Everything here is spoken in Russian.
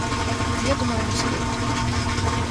Я думаю, не стоит.